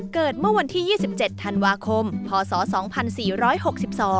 เกิดเมื่อวันที่๒๗ธันวาคมพศ๒๔๖๒